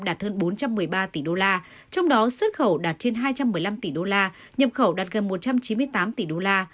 đạt hơn bốn trăm một mươi ba tỷ usd trong đó xuất khẩu đạt trên hai trăm một mươi năm tỷ usd nhập khẩu đạt gần một trăm chín mươi tám tỷ usd